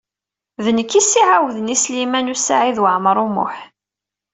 D nekk ay as-iɛawden i Sliman U Saɛid Waɛmaṛ U Muḥ.